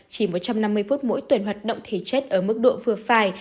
chỉ một trăm năm mươi phút mỗi tuyển hoạt động thể chất ở mức độ vừa phải